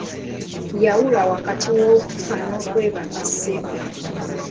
Yawula wakati w'okufa n'okwebaka ssebo.